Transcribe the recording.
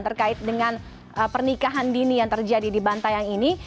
terkait dengan pernikahan dini yang terjadi di bantayang ini